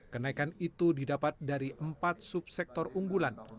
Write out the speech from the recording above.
kenaikan itu didapat dari empat subsektor unggulan